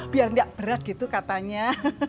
biar nggak berat gitu katanya